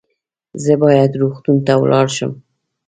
زه باید روغتون ته ولاړ شم